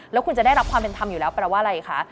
แล้วคุณจะได้รับความเป็นธรรมอยู่แล้วแปลว่าอะไรคะ